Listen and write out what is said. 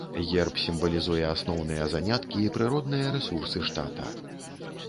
Герб сімвалізуе асноўныя заняткі і прыродныя рэсурсы штата.